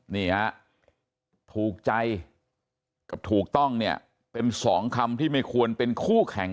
นี่ฮะถูกใจกับถูกต้องเนี่ยเป็นสองคำที่ไม่ควรเป็นคู่แข่ง